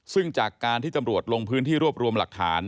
ซึ่งจากการที่ตำรวจลงพื้นที่รวบรวมหลักฐาน